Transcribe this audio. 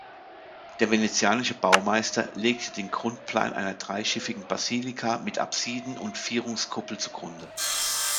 Der venezianische Baumeister legte den Grundplan einer dreischiffigen Basilika mit Apsiden und Vierungskuppel zugrunde.